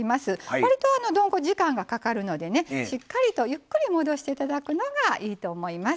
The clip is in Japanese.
わりと、どんこは時間がかかるので、しっかりとゆっくり戻していただくのがいいと思います。